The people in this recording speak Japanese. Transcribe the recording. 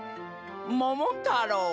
「ももたろう」